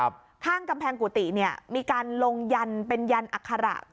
ข้างกำแพงกุฏิเนี่ยมีการลงยันเป็นยันอัคระ